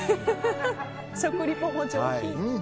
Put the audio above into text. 食リポも上品。